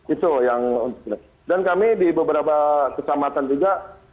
itu yang dan kami di beberapa kecamatan juga